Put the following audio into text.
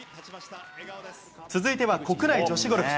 続いては国内女子ゴルフ。